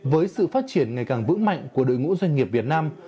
với sự phát triển ngày càng vững mạnh của đội ngũ doanh nghiệp việt nam